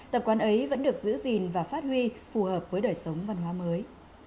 tập quán ấy vẫn được giữ gìn và phát huy phù hợp với đời sống văn hóa mới